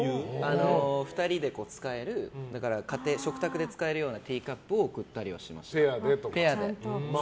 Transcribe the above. ２人で使える食卓で使えるようなティーカップを贈ったりしました。